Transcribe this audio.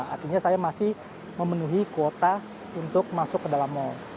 artinya saya masih memenuhi kuota untuk masuk ke dalam mal